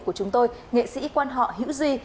của chúng tôi nghệ sĩ quan họ hữu duy